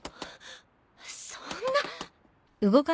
そんな。